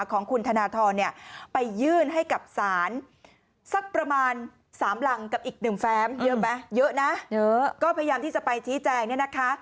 ก็พยายามที่จะไปชี้แจ้งเนี่ยนะคะ